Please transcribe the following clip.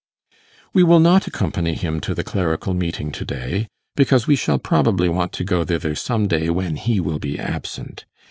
We will not accompany him to the Clerical Meeting to day, because we shall probably want to go thither some day when he will be absent.